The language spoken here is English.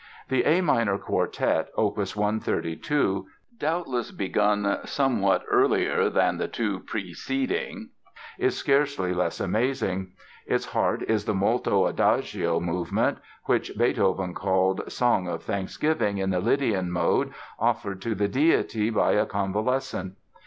The A minor Quartet, opus 132, doubtless begun somewhat earlier than the two preceding, is scarcely less amazing. Its heart is the "Molto Adagio" movement which Beethoven called "Song of Thanksgiving in the Lydian mode offered to the Deity by a convalescent."